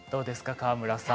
川村さん。